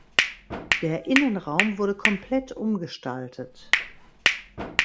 Der Innenraum wurde komplett umgestaltet.